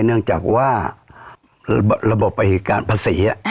เนื่องจากว่าระบบประหิการภาษี